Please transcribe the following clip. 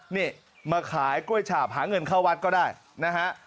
นี่มาขายกล้วยฉาบหาเงินเข้าวัดก็ได้นะฮะ